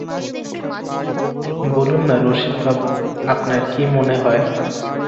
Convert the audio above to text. বলুন-না রসিকবাবু, আপনার কী মনে হয়?